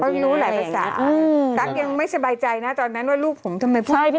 เพราะรู้หลายภาษาตั๊กยังไม่สบายใจนะตอนนั้นว่าลูกผมทำไมพูดทุกเรื่อง